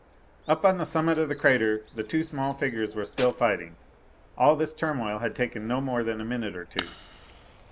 Up on the summit of the crater the two small figures were still fighting. All this turmoil had taken no more than a minute or two.